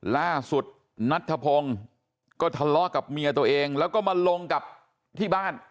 ล่าสุดนัทธพงศ์ก็ทะเลาะกับเมียตัวเองแล้วก็มาลงกับที่บ้าน